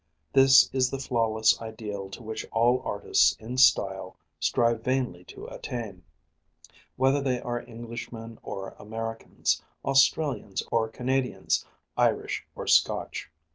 This is the flawless ideal to which all artists in style strive vainly to attain, whether they are Englishmen or Americans, Australians or Canadians, Irish or Scotch.